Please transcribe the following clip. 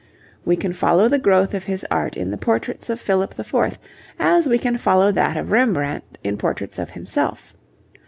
We can follow the growth of his art in the portraits of Philip IV., as we can follow that of Rembrandt in portraits of himself.